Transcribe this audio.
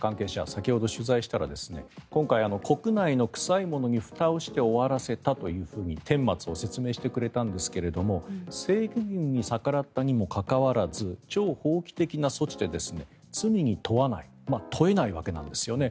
先ほど取材したら今回、国内の臭いものにふたをして終わらせたとてん末を説明してくれたんですが正規軍に逆らったにもかかわらず超法規的な措置で罪に問わない問えないわけなんですよね。